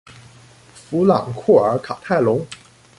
弗朗库尔卡泰隆。